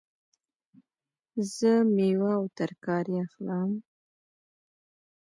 زه میوه او ترکاری اخلم